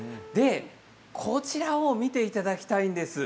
こちらを見ていただきたいんです。